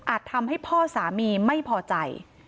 ทำให้พ่อสามีไม่พอใจ